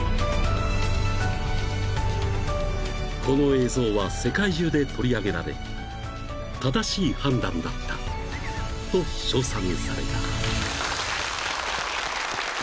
［この映像は世界中で取り上げられ正しい判断だったと称賛された］